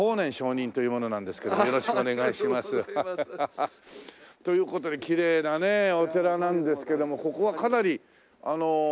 ハハハ。という事できれいなねお寺なんですけどもここはかなり長いんですか？